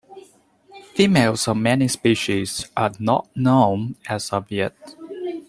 Females of many species are not known as of yet.